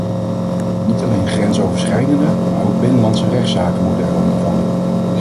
Niet alleen grensoverschrijdende, maar ook binnenlandse rechtszaken moeten er onder vallen.